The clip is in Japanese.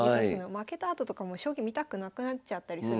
負けたあととかもう将棋見たくなくなっちゃったりするので。